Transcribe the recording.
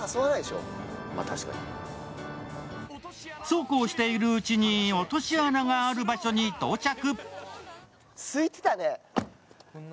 そうこうしているうちに落とし穴がある場所に到着。